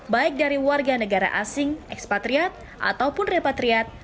baik dari warga negara asing ekspatriat ataupun repatriat